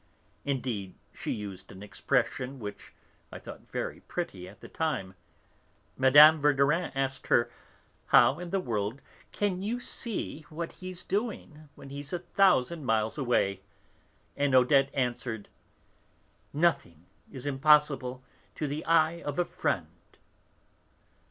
Indeed, she used an expression which I thought very pretty at the time. M. Verdurin asked her, 'How in the world can you see what he's doing, when he's a thousand miles away?' And Odette answered, 'Nothing is impossible to the eye of a friend.'